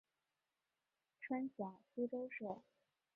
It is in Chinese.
川陕苏区设。